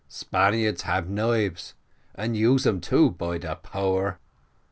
Spaniards hab knives, and use dem too, by de power!"